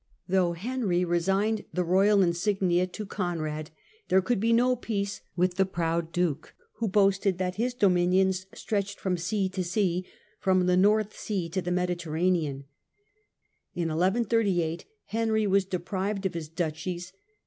Though Henry resigned the royal insignia to Conrad, there could be no peace with the proud duke who boasted that his dominions stretched " from sea to sea," from the North Sea to the Mediterranean. In 11 38 Henry was deprived of his duchies.